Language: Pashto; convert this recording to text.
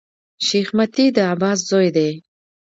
شېخ متي د عباس زوی دﺉ.